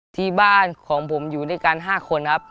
ที่บ้านของผมอยู่ด้วยกัน๕คนครับ